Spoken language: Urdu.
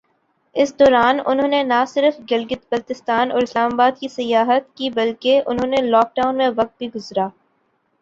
اس دوران انھوں نے نہ صرف گلگت بلستان اور اسلام آباد کی سیاحت کی بلکہ انھوں نے لاک ڈاون میں وقت بھی گزرا۔